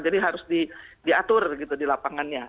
jadi harus diatur gitu di lapangannya